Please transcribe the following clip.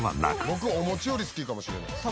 「僕お餅より好きかもしれないです」